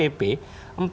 kalau di sandra pp